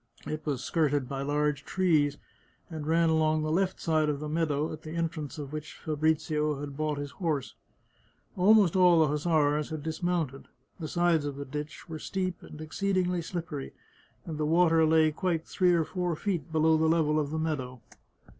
It was skirted by large trees, and ran along the left side of the meadow at the entrance of which Fabrizio had bought his horse. Almost all the hussars had dis mounted. The sides of the ditch were steep and exceedingly slippery, and the water lay quite three or four feet below the level of the meadow.